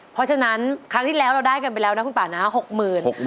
เพราะฉะนั้นครั้งที่แล้วเราได้กันไปแล้วนะคุณป่านะ๖๐๐๐บาท